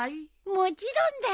もちろんだよ！